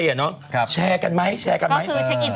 ก็คือเช็คอินพร้อมกันเลยจด้ายแชร์น้ำหนัก